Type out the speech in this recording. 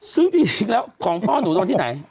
ซึ่งที่ที่ถึงแล้วของพ่อหนูต้องที่ไหน